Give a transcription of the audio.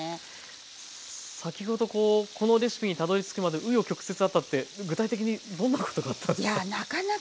先ほどこうこのレシピにたどりつくまでう余曲折あったって具体的にどんなことがあったんですか？